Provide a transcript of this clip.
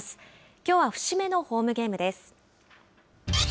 きょうは節目のホームゲームです。